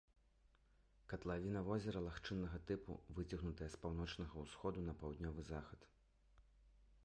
Катлавіна возера лагчыннага тыпу, выцягнутая з паўночнага ўсходу на паўднёвы захад.